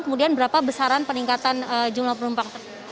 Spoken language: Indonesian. kemudian berapa besaran peningkatan jumlah penumpang